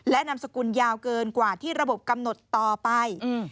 และนามสกุลยาวเกินกว่าที่ระบบกำหนดต่อไป